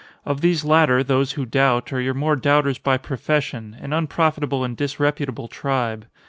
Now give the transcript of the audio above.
Of these latter, those who doubt, are your mere doubters by profession—an unprofitable and disreputable tribe.